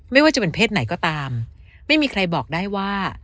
ไม่ว่าจะเป็นเพศไหนก็ตามไม่มีใครบอกได้ว่า